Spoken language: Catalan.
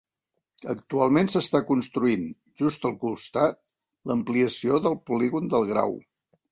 Actualment s'està construint, just al costat, l'ampliació del polígon del Grau.